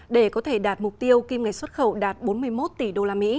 để có thể đạt mục tiêu kim ngạch xuất khẩu đạt bốn mươi một tỷ usd